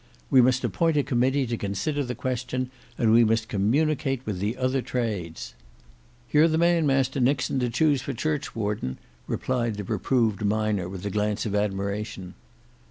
We must appoint a committee to consider the question and we must communicate with the other trades." "You're the man, Master Nixon, to choose for churchwarden," replied the reproved miner with a glance of admiration.